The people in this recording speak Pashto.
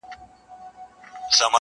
طبابت یې ماته نه وو را ښودلی -